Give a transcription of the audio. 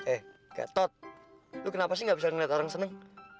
eh kak tot lu kenapa sih nggak bisa ngeliat orang seneng